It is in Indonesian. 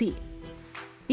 iklan hologram tiga dimensi